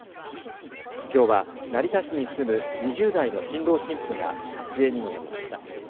きょうは成田市に住む２０代の新郎新婦が撮影に臨みました。